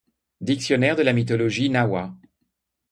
Dictionnaire de la mythologie Nahua.